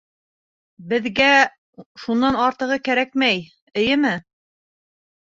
Беҙгә шунан артығы кәрәкмәй, эйеме?